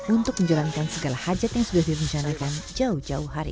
untuk menjalankan segala hajat yang sudah direncanakan jauh jauh hari